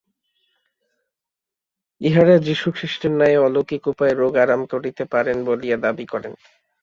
ইঁহারা যীশুখ্রীষ্টের ন্যায় অলৌকিক উপায়ে রোগ আরাম করিতে পারেন বলিয়া দাবী করেন।